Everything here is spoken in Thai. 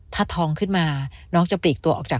ถ้าทองขึ้นมาน้องจะปลีกตัวออกจาก